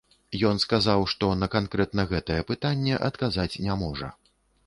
Ён сказаў, што на канкрэтна гэтае пытанне адказаць не можа.